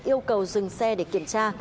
yêu cầu dừng xe để kiểm tra